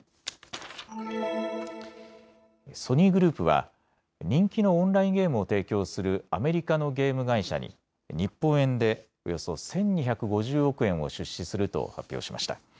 ソニーグループは人気のオンラインゲームを提供するアメリカのゲーム会社に日本円でおよそ１２５０億円を出資すると発表しました。